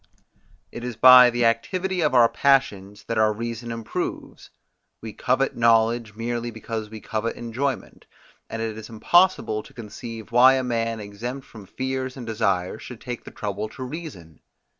It is by the activity of our passions, that our reason improves: we covet knowledge merely because we covet enjoyment, and it is impossible to conceive why a man exempt from fears and desires should take the trouble to reason.